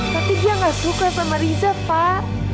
tapi dia gak suka sama riza pak